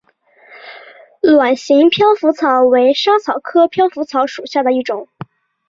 卵形飘拂草为莎草科飘拂草属下的一个种。